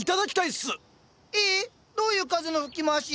ええ⁉どういう風の吹き回し？